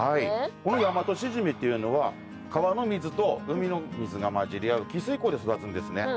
このヤマトシジミっていうのは川の水と海の水が混じり合う汽水湖で育つんですね。